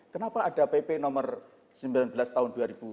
kenapa ada pp nomor sembilan belas tahun dua ribu dua puluh